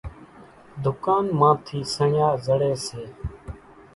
ۮُڪانَ مان ٿِي سڻيا زڙيَ سي۔